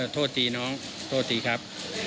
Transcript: โทษตีน้องโทษตีครับ